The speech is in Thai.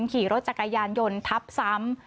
ขี่รถจักรยานยนต์ทับซ้ำ